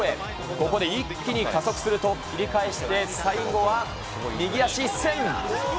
ここで一気に加速すると、切り替えして最後は右足一せん。